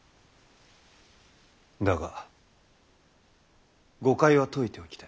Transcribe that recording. だが誤解は解いておきたい。